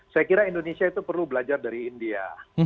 saya kira indonesia itu perlu belajar dari india